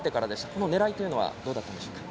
この狙いはどうだったんでしょうか。